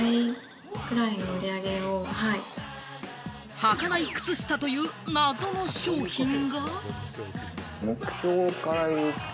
はかないくつしたという謎の商品が。